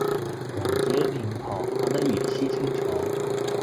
王子的臉龐看得如斯清楚